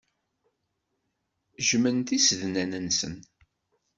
Jjmen tisednan-nsen.